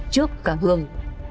trước cả hương